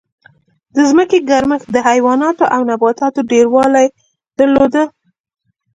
د ځمکې ګرمښت د حیواناتو او نباتاتو ډېروالی درلود.